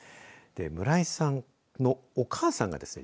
村井さんのお母さんがですね